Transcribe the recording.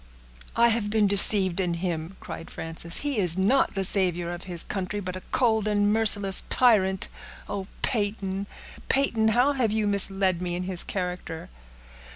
"I have been deceived in him," cried Frances. "He is not the savior of his country; but a cold and merciless tyrant. Oh! Peyton, Peyton! how have you misled me in his character!"